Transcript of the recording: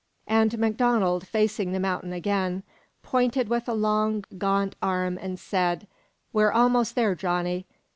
And MacDonald, facing the mountain again, pointed with a long, gaunt arm, and said: "We're almost there, Johnny.